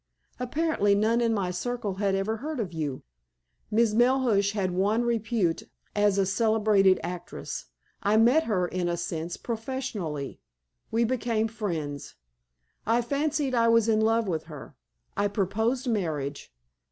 Apparently, none in my circle had even heard of you. Miss Melhuish had won repute as a celebrated actress. I met her, in a sense, professionally. We became friends. I fancied I was in love with her. I proposed marriage.